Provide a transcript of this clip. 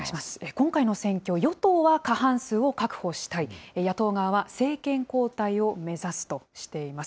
今回の選挙、与党は過半数を確保したい、野党側は政権交代を目指すとしています。